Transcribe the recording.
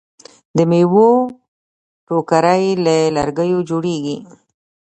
د میوو ټوکرۍ له لرګیو جوړیږي.